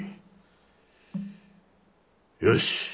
よし！